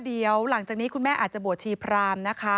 เดี๋ยวหลังจากนี้คุณแม่อาจบัวชีพราม